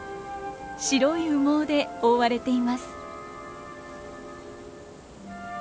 白い羽毛で覆われています。